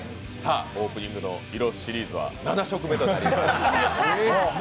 オープニングの色シリーズは７色目となりました。